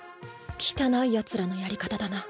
汚い奴らのやり方だな。